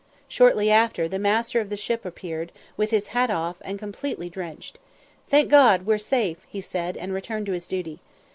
Shortly after, the master of the ship appeared, with his hat off, and completely drenched. "Thank God, we're safe!" he said, and returned to his duty.